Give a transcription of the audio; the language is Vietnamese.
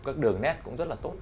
các đường nét cũng rất là tốt